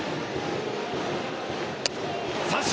三振！